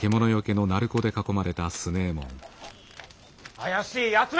怪しいやつめ！